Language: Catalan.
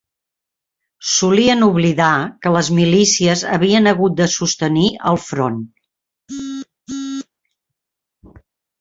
Solien oblidar que les milícies havien hagut de sostenir el front